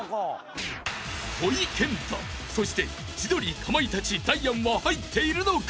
［ほいけんたそして千鳥かまいたちダイアンは入っているのか？］